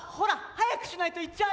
早くしないと行っちゃうよ。